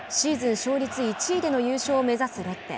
勝率１位での優勝を目指すロッテ。